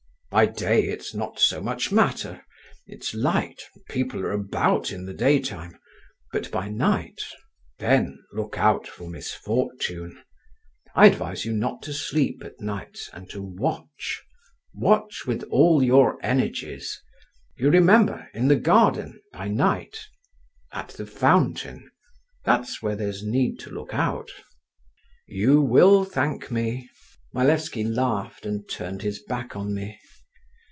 By day it's not so much matter; it's light, and people are about in the daytime; but by night, then look out for misfortune. I advise you not to sleep at nights and to watch, watch with all your energies. You remember, in the garden, by night, at the fountain, that's where there's need to look out. You will thank me." Malevsky laughed and turned his back on me.